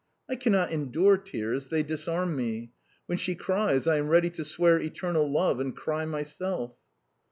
I cannot endure tears; they disarm me. When she cries, I am ready to swear eternal love and cry myself."